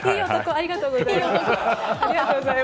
ありがとうございます。